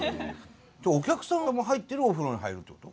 お客さんがもう入ってるお風呂に入るっていうこと？